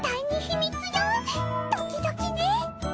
ドキドキね。